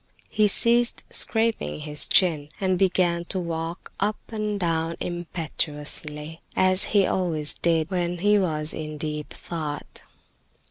He ceased scraping his chin, and began to walk up and down impetuously, as he always did when he was in deep thought.